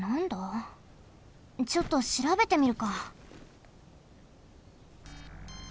ちょっとしらべてみるか。